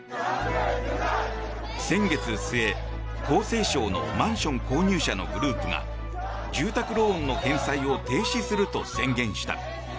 先月末、江西省のマンション購入者のグループが住宅ローンの返済を停止すると宣言した。